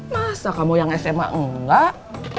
masa kamu yang sma enggak